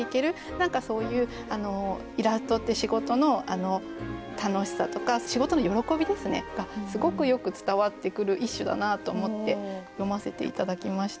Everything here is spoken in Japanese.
何かそういうイラストって仕事の楽しさとか仕事の喜びがすごくよく伝わってくる一首だなと思って読ませて頂きました。